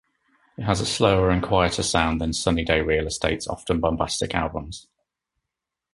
It has a slower and quieter sound than Sunny Day Real Estate's often-bombastic albums.